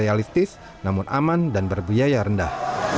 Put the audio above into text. realistis namun aman dan berbiaya rendah